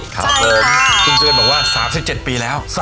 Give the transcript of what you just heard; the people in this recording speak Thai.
คุณเจริญบอกว่า๓๗ปีแล้ว